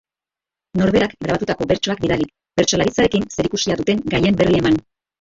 Norberak grabatutako bertsoak bidali, bertsolaritzarekin zerikusia duten gaien berri eman